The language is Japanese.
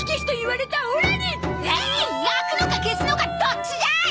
焼くのか消すのかどっちじゃい！